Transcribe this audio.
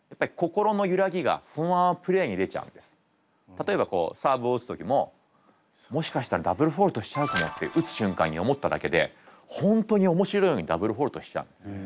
例えばこうサーブを打つ時も「もしかしたらダブルフォルトしちゃうかも」って打つ瞬間に思っただけで本当に面白いようにダブルフォルトしちゃうんです。